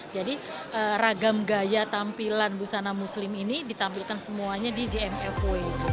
jadi ragam gaya tampilan busana muslim ini ditampilkan semuanya di jmfw